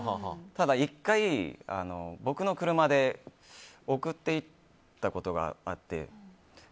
ただ、１回僕の車で送っていったことがあって。